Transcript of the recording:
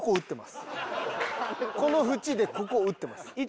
この縁でここ打ってます。